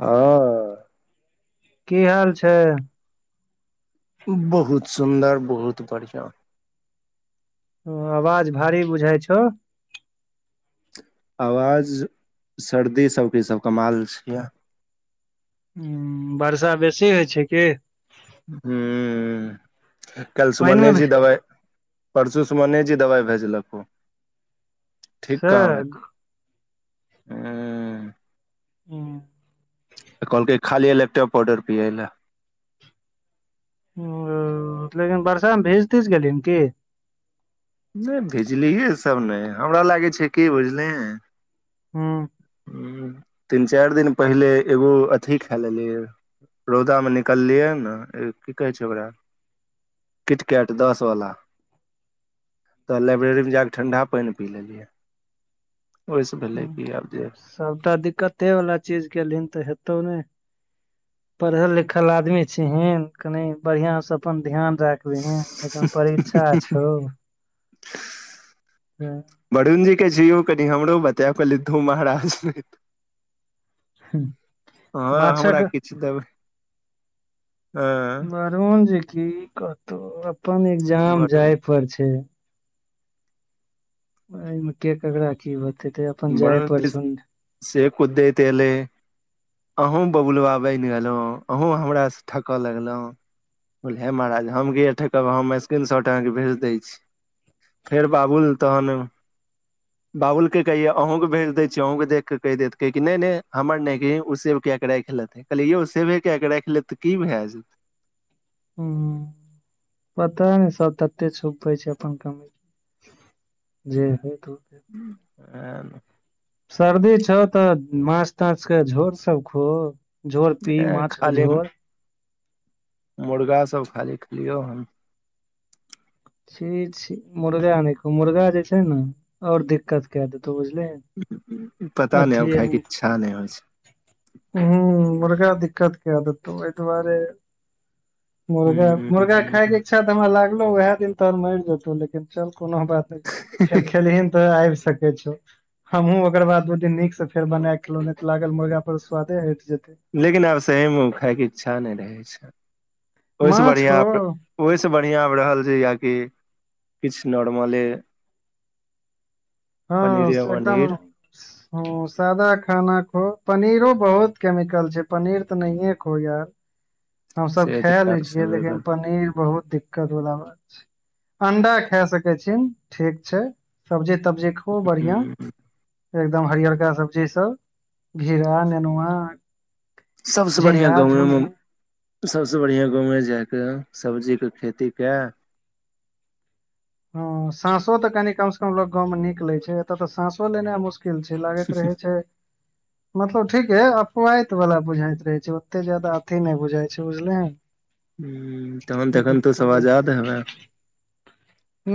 हँ कि हाल छय। बहुत सुन्दर, बहुत बढ़ियां। ओ आवाज भारी बुझाइ छौ। आवाज सर्दी सबके ई सब कमाल छिया। हम्म वर्षा बेसी होइ छै की हम्म कैल पानि सुमने मे जी दबाय परसु सुमने जी दबाइ भेजलकौ, ठीक से कहाँ भे ऐं हम्म त कहलकै खाली एलेक्ट्राल पाउडर पियै लए। ओं लेकिन बर्षा मे भीज-तीज गेलहिन की? नहि भेजलिये सब नहि हमरा लागै छै की भेझले, हँ तीन चारि दिन पहिले एगो अथि खा लेलियै, रौदामे निकललियै ने की कहै छै ओकरा, किटकेट दस वला, तऽ लाइब्रेरीमे ज क ठंडा पानि पी लेलियै, ओहिसँ भेले पियर देह, सबटा दिक्कते ये वला चीज के लिंक तऽ हेतौ ने, पढ़ल लिखल आदमी छी हन कनि बढ़िया से अपन ध्यान राख? तुह एखन परीक्षा छो? [inaudible] हँ वरुणजीके जियौ कनि हमरो बता कहली तू महाराज, हँ माछक हमरा किछु देबै हँ, वरुणजी कतहु अपन एग्जाम वरुण जाय पर छै। आमे क कगरा हाकि [unintelligible] बड़ से कुदतले [unintelligible] अहूँ बबुलबा बनि गेलहुँ अहूँ हमरासँ ठकय लगलहुँ, बोले महाराज हम ठके हमर स्क्रीन शॉट अहाँके भेज दै छी। फेर बाबुल तहन बाबुल के, कहिये अहुूं के भेज देै छीिय अहूं के देख के कहि देत कहै नहि नहि हमर नहि की ओ सेव क के राख लेते। कहलियै यौ सेबे कए कऽ राखि तऽ की भए जेत। ह पता ने सब तते छुपै छै अपन कमी, जे हो त [unintelligible] आ [unintelligible] सर्दी छौ तऽ माछ ताछ के झोर सब खो। झोर पी माछके खाली झोर। मुर्गा सब खाली खेलियों हम छी छी मुर्गा न मुर्गा जे छै ने आओर दिक्कत क देतो बुझलिये। पता नहि आब खायके इच्छा नहि होइ छै। हूँ मुर्गा दिकत के दतौ दुआरे, मुर्गा मुर्गा खायके ह इच्छा तऽ हमरा लागलो उह दिन तोहर मरि जेतौ लेकिन चल कोनो बात नहि। फेर खेलिहन तऽ आबि सकै छ। हमहुँ ओकर बाद दू दिन नीक से फेर बनाय खेलहु नहि तऽ लागल मुर्गा पर स्वादे हट जेते। लेकिन आब सहीमे ओ खायके इच्छा नहि रहै छै ओहिसँ माछ बढ़िआँ। हो ओहिसँ बढ़िआँ आबि रहल छै याकि किछु नॉर्मले, हँ पनीर य एकदम उनीर ह सादा खाना खो पनीरो बहुत केमिकल छै पनीर तऽ नहिे खो यार। हम सब से खाय ले छियै लेकिन पनीर बहुत दिक्क, बात छै अंडा खाय सकै छी ठीक छै। सब्जी तब्जी खूब बढ़आं। एकदम हरियरका सब्जी सब घिरा नेनुआ। सभसँ बढ़िआँ झिंगा गाँवमे। झुमनी सभसँ बढ़िआँ गाँवमे जाय कऽ सब्जीके खेती कऽ हँ साँसो तऽ कनि कम से कम लोक गाँव मे निक लै छै एतऽ तऽ साँसो लेनाइ मुशक किल छै लागैत रहै छै मतलब ठीके अपवाहित वला बुझाइत रहे छै ओते जदा अथी नहि बुझाइ छै बुझलीहीन। हु तहन त अखन तो स आजाद हेबा।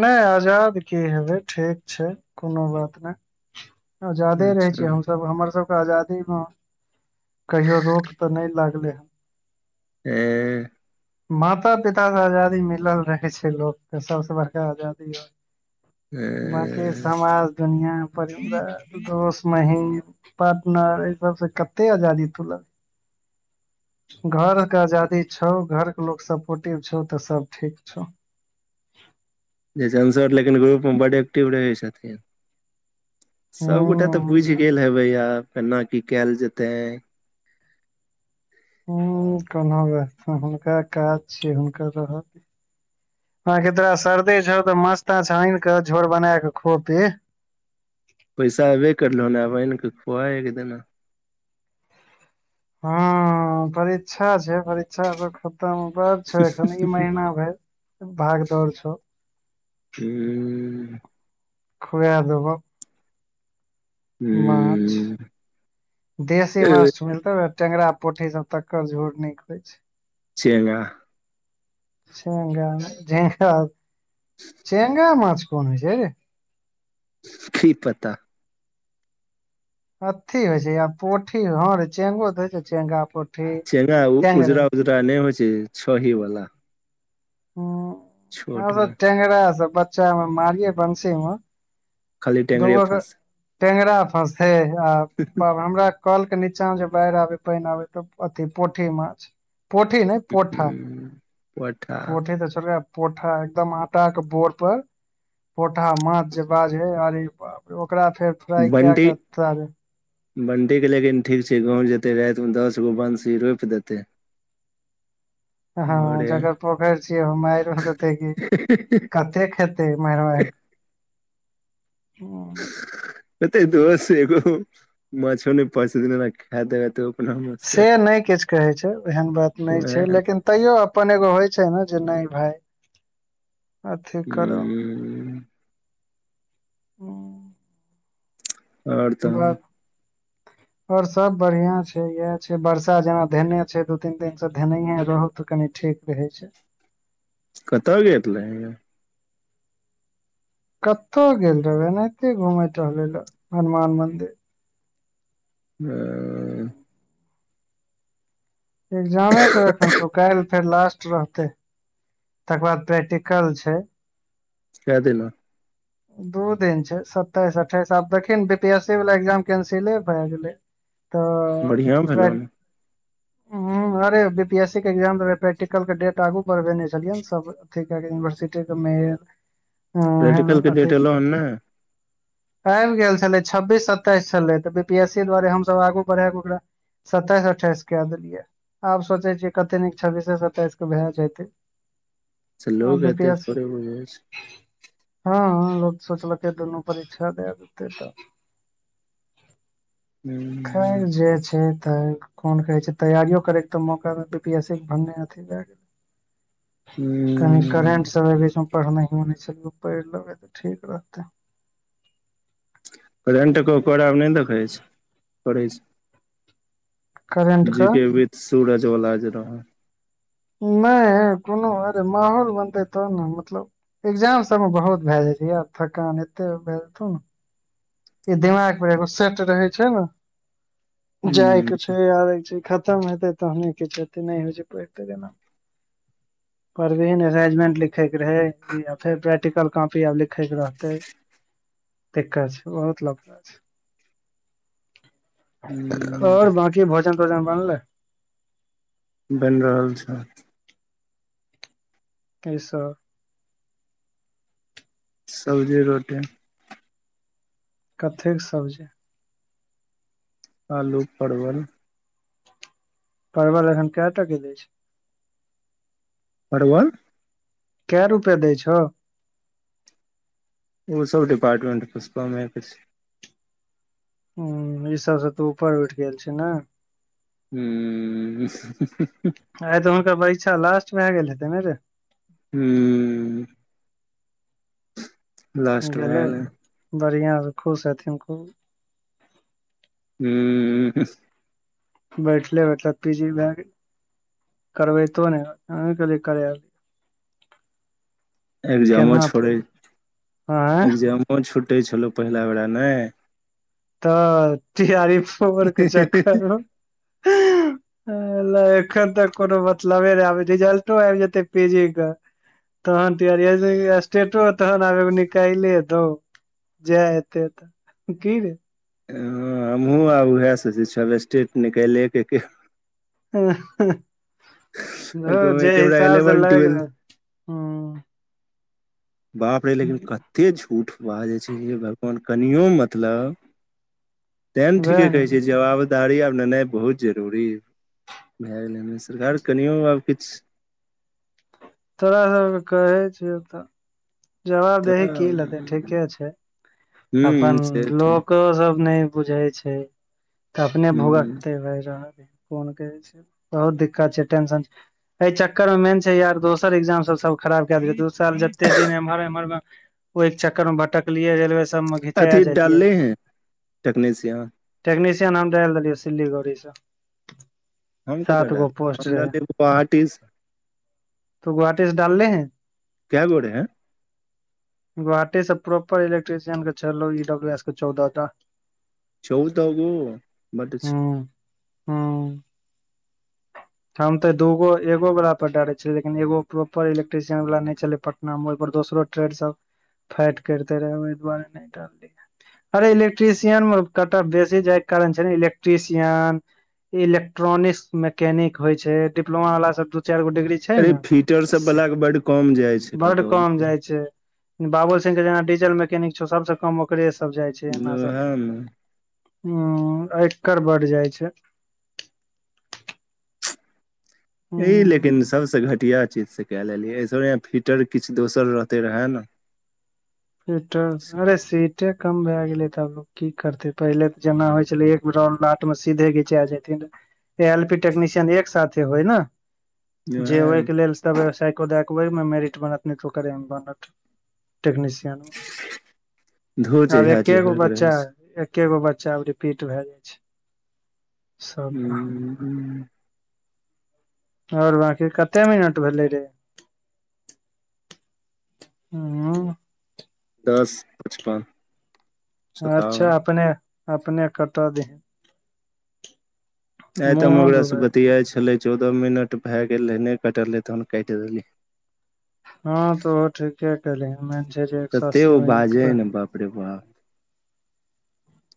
नइ आजाद की हेबै ठीक छै कोनो बात नहि। आजादे रहै अच्छा छीय हमसभ हमर सबके आजादी मे कहियो रोक तऽ नहि लागलै हन। एह। माता पिता स आजादी मिलल रहे छै लोकके सबसे बड़का आजादी वैह ए बाकी समाज दुनिया परिवार दोस महीम पार्टनर एहि सब से कते आजादी तू लग घर के आजादी छौ घर के लोग सपोर्टिव छौ त सब ठीक छौ। [unintelligible] सर लेकिन ग्रुप मे बड एक्टिव रहै छथिन सबगोटा तऽ बुझि हूँ गेल हेबेय आब केना की कयल जेतैय। ह कोना व हुनका काज छिय हुनकर रहऽ दी हँ की तोरा सर्दी छौ तऽ माछ ताछ आन के झोर बना क खो पी। पैसा अबे करलहन आब आनि कऽ खुआ एक दिना। हँ परीक्षा छै परीक्षा सब खतम हुब छौ एखन ई महीना भइर भाग दौड़ छौ। हूँ। खुएै देबो। माछ हूँ देसी ए माछ मिलतो त टेंगड़रा पोठी सब तकर झोर निक होइ छै। चेंगा। चेंगा झेंगा चेंगा माछ कोन होइ छै रे? खी पता। हथी होइ छै य पोठी हँरे चेंगो त होइ छै चेंगा पो चेंगा उजरा उजरा नहि होइ छै छही वला। ह हम सब मे टेंगरा सब बच्चा मे मारिये बंशी मे। खाली टेंगरे दूगो के फस टेंगरा फँसैय आ बा हमरा कॅल के नीचा जे बाढ़ि आबे पानि आबे तऽ अथी पोठी माछ पोठी नै पोठा। पोठा पोठी तऽ छोटका पोठा एकदम आटा के बोर पर पोठा माछ जे बाजैय आरे बाप रे ओकरा फेर फ्राई कए बंटी के तर बंटीके लेकिन ठीक छै गाँँव जेतै रातिमे दसगो बंशी रोपि देतै हँ जकर पोखर छिय मायरो देते की कतेक खेत ते मैरमैर एते दोस एगो मछो नहि फंस [unintelligible] ने खाय देब तऽ अपना मत से नहि किछ कहै छै एहन बात नहि छै उएह लेकिन तैयो अपन एगो होइ छै ने जे नहि भाय अथी करो हु। आओर ब तहन और सब बढ़िया छै येह छै वर्षा जेना धेने छै दू तीन दिन स धेनेये रहौ त कनि ठीक रहै छै। कतऽ गेल रहै? कत्ता गेल रहबै एनाहिते घुमय टहले लै हनुमान मंदिर। वै ईग्जमे सब एखन छौ काएल फेर लास्ट ट रहतै तकर बाद प्रैक्टिकल छै। कै दीना दू दिन छै, सत्ताइस, अठाइस आब देखी नै बी पी एस सी वला इग्जाम कैंसिले भै गेलै तऽ बढ़िया भेलौ प्रैक ने हां रे बी पी एस सी के एग्जाम रहे प्रैक्टिकल के डेट आगू बढ़बेने छलियै न सब अथी कै के यूनिवर्सिटी के मे प्रैक्टिकल के डेट एलो हन नै? ऐब गेल छलै छब्बीस सत्ताइस छलै तऽ बी पी एस स दुआरे हम सब आगू बढ़े के ओकरा सताएस-अठाएस के देलियै आब सोचे छियै कते नीक छब्बीसे सत्ताइस के भए जेतै से आब लोग बी पी एते एस सी थोड़े बुझै छै हां-हां लोक सोचलकै दुनू परीक्षा देए देतै तै खैर जे छय तें कोन कहे छै तैयारियो करे के त मौका बी पी एस सी के भने अथी भै गैल। कनी करेंट सब ऐ बीच में पढ़नाहियौ नै छेलिए पढ़ लेबै तऽ ठीक रहते करेंट के ओकर आब नै देखय छी, पढ़ें छी। जी के विथ सूरजवला जे रहे नै कुनू अरे माहौल बनतै तब नै मतलब एग्जाम सब मे बहुत भै जाए छै यार थकान एते भै जेतौ नै ई दिमाग पर एगो सेट रहै छै नै जाय के छै। फेर आबै छै, खत्म हेतै तहने किछ हेते नै होइ छै पैढ़ तैढ़ ऐना परभी नै अरेंजमेंट लिखे के रहै ई अ फेर प्रैक्टिकल कॉपी आब लिखे के रहते। दिक्कत छै, बहुत लफरा छै। और बाकी भोजन-तोजन बनले? बैन रहल छै। की सब? सब्जी-रोटी। कथी के सब्जी? आलू परवल परवल ऐखन कै टका दै छै। परवल कै रुपया दै छौ? उ सब डिपार्मेन्ट पुछतो हम नै पूछै छीयै। हूं ई सबसे तू ऊपर उठ गेल छी नै? हूँ आय तऽ हुनकर परीक्षा लास्ट भै गेल हेते नै रे हूँ। लास्ट भए गेलै बढ़ियां से खुश हेथिन खूब। [unintelligible] बैठले मतलब पी जी बारे, करबैत न अही। [unintelligible] एगजामो केना छोड़े आँय एग जाम, ओ छुटै छलौ पहिला बेला नै। त तैयारी एक सो वर्क क चेक हँ एलो। लखन तक कोनो मतलबे न आबै जिजल्टो आइब जेतै पीजी के। तहन [unintelligible] स्टेट तहन आब निकाइलै दौ, जेए हेते त की गे, ह हमहहुँ आब उहै सोचे छी अब स्टेट निकाएलै केके। जे बेरा हिसाब स इलेवन लाइगर, ट्वेल्थ उम्म। बाप रहे लेकिन कते झूठ वाजै छिहि भगवान कनियो मतलब, टें वएह ठीके ने कहै छै जवाबदारी और लेनाय बहुत जरूरी यै। [unintelligible] कनियो आब किछ, तोरा [unintelligible] कहे छ त जवाब तऽ देही की लगे ठीके छै। हूँ अपन से तऽ लोको सब नय बुझैए छै। त अपने हुँ भुगकते [unintelligible] बहुत दिक्कत छै टेंशन, एय चक्कर मे मेन छै यार दोसर एग्जाम सब सब खराब क [unintelligible] दोसर जते दिन एमहर एमहर मे, ओए एक चक्कर मे भटकलियै रेलवे सबमे घिचेए अथी जैतियै। डालले हैं टेक्नीशियन टेक्नीशियन हम दे देलिय सिल्लीगोड़ीसँ। हम कतअ रहे डाली आर्टिस्, तु गुहाटीस डालली है। क्य घोड़े है। गोहाटीसँ प्रॉपर इलेक्ट्रिशियन के छल ईडब्ल्यू एस के चौदह टा। चौ दगू बड छै। हूं हूं हम ते दूगो एगो वलाा पर डारे छलियै [unintelligible] एगो प्रोपर इलेक्ट्रिशियन वाल नै छले। ना हम ओइ पर दोसरो ट्रेड सब फाइट करिते रहे। [unintelligible] अरे इलेक्ट्रिशियन मे कत बेसी जाय कारण छै ने इलेक्ट्रिशियन। इलेक्ट्रॉनिक्स मैकेनिक होय छै डिप्लो वाला सब दू चार गो डिग्री, छै ने, फीचर सब से बला के बड कम जाइ छै बड कतौ कम जाय छै। बाबुल सिंह के जेना डीजल मैकेनिक छौ सबस कम ओकरे सब जाय छै एना वएह सबमे। ने उम्म एकड़ बड जाय छै। ई ह लेकिन सबसँ घटिया चीजसँ कए लेलियै एहिसहाँ फिटर किछु दोसर रहते रहए ने, फिटर अरे सीटे कम भै गेलै त, की करते पहिले त जेना होय छलैया [unintelligible] आठ मे सीधे घिचा जेथिन। एल पी‌ टेक्निशियन एक साथे होइ ना। जे वएह ओके लेल, [unintelligible] धो आब जहिया जे एके गो होयके बच्चा रहे छै है। एके गो बच्चा रिपीट भ जायै छै सबमे। ह आओर बकी कते मिनट भेले रे। हँ। दस पचपन। अच्छा सतावन अपने अपने कत द है। आइ त हम मुँहो ओकरासँ दुखाय बतियाइ छलै चौदह मिनट भए गेल रहै नहि कटल रहै तखन काइट देलियै। हँ त ओ ठीके केलही मेन छैय जे एक सौ अस्सी मिनट पे अरे वाह।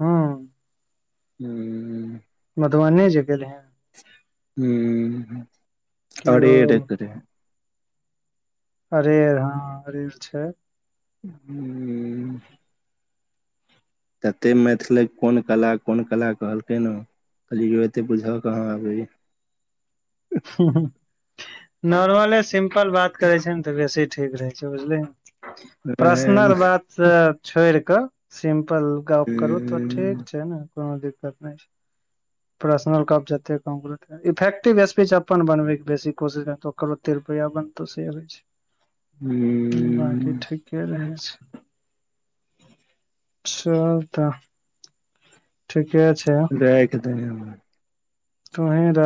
हँ। हू। मधुबनी जे गेलहीं। हुं कि ओ अरेर [unintelligible] अरेर हँ अरेर छैय। हू। अतेक मैथिलक कोन कला, कोन कला कहलकै न। अभी एते बुझऽ कहाँ अबैये। नॉर्मले सिम्पल बात करै छैय ने त बेसी ठीक रहै छैय बुझली। एहेन पर्सनल बात से छोइड़ क सिम्पल गप करू त हूं ठीक छैय ने कोनो दिक्कत नय छैय। पर्सनल गप जते कम करू तते इफेक्टिव स्पीच अपन बनबय के बेसी कोशिश करतौ ओकर ओते रुपैया बनतौ शेयर होइ छैय। हू। बाकी ठीके रहै छैय। चल त ठीके छैय। [unintelligible] तोहीं र